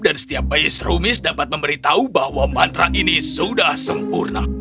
dan setiap bayi srumis dapat memberitahu bahwa mantra ini sudah sempurna